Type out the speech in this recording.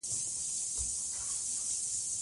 د سبا لپاره نن کار وکړئ.